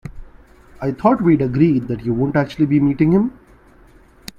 I thought we'd agreed that you wouldn't actually be meeting him?